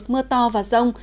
mưa to và rông